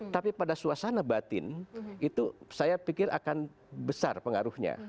tapi pada suasana batin itu saya pikir akan besar pengaruhnya